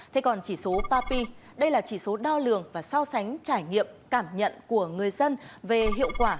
thế còn chỉ số papi đây là chỉ số đo lường và so sánh trải nghiệm cảm nhận của người dân về hiệu quả